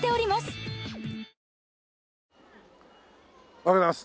おはようございます。